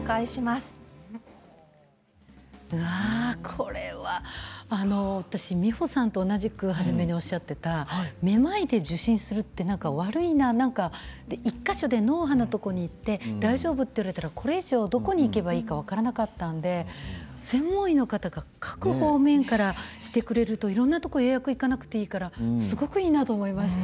これは私、美穂さんと同じく初めにおっしゃっていた、めまいで受診するって悪いな１か所、脳波のところに行って大丈夫と言われたらこれ以上どこに行けばいいのか分からなかったので専門医の方が各方面からしてくれるといろんなところに行かなくていいからすごくいいと思います。